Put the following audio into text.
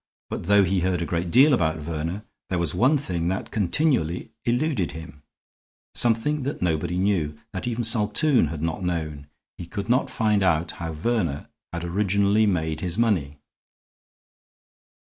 But though he heard a great deal about Verner, there was one thing that continually eluded him; something that nobody knew, that even Saltoun had not known. He could not find out how Verner had originally made his money.